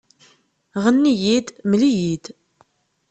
Ɣenni-yi-d, mel-iyi-d